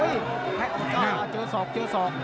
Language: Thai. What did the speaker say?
เจอศอกเจอศอก